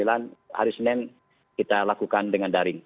dan hari senin kita lakukan dengan daring